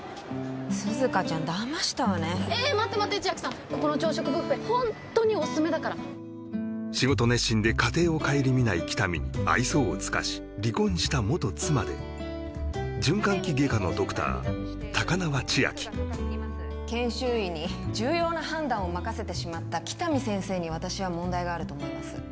涼香ちゃんだましたわねえっ待って待って千晶さんここの朝食ブッフェホントにオススメだから仕事熱心で家庭を顧みない喜多見に愛想を尽かし離婚した研修医に重要な判断を任せてしまった喜多見先生に私は問題があると思います